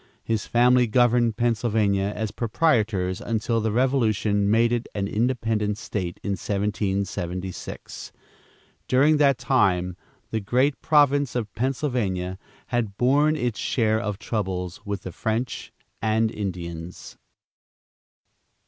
His family governed Pennsylvania, as proprietors, until the Revolution made it an independent State, in 1776. During that time the great province of Pennsylvania had borne its share of troubles with the French and Indians.